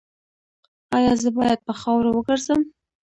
ایا زه باید په خاورو وګرځم؟